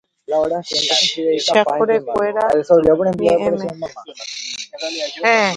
¡Chakorekuéra ñeʼẽme!